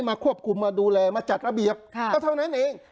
มาควบคุมมาดูแลมาจัดระเบียบก็เท่านั้นเอง